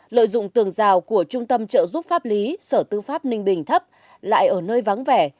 lợi dụng tường rào của trung tâm trợ giúp pháp lý sở tư pháp ninh bình thấp lại ở nơi vắng vẻ